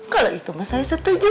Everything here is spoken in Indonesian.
kalau itu saya setuju